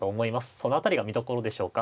その辺りが見どころでしょうか。